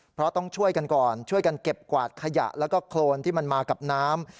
เพราะต้องช่วยกันก่อนช่วยกันเก็บกวาดขยะแล้วก็โครนที่มันมากับน้ำ